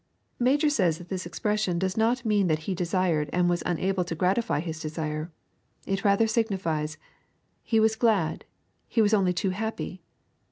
] Major says that this expression does not mean that he desired and was unable to gratify his desire. It rather signifies " He was glad — ^he was only too happy."